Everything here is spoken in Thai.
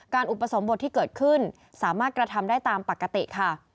อุปสมบทที่เกิดขึ้นสามารถกระทำได้ตามปกติค่ะ